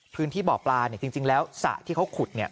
พื้นที่บ่อปลาเนี่ยจริงแล้วสระที่เขาขุดเนี่ย